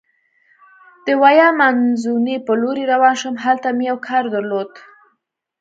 د ویا مانزوني په لورې روان شوم، هلته مې یو کار درلود.